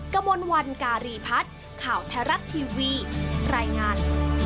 กระมวลวันการีพัฒน์ข่าวไทยรัฐทีวีรายงาน